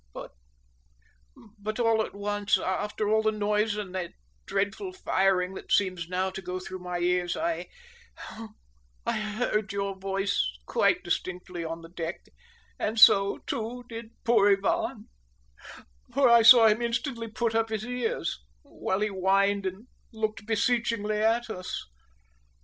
"But but all at once, after all the noise and that dreadful firing that seems now to go through my ears, I I heard your voice quite distinctly on the deck; and so, too, did poor Ivan, for I saw him instantly put up his ears, while he whined and looked beseechingly at us."